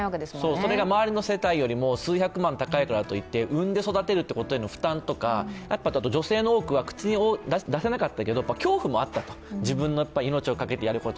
それが周りの世帯よりも数百万高いからといって産んで育てるということへの負担とか、女性は口に出せなかったけど恐怖もあったと、自分の命をかけてやること。